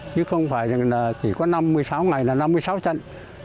chứ không phải chỉ có năm mươi sáu ngày là năm mươi sáu trận